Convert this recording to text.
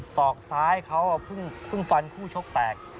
สอกท้ายเขาพึ่งฟันฝั่งคู่ชกแตก